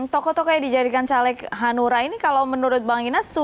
tokoh tokoh yang dijadikan caleg hanura ini kalau menurut bang inas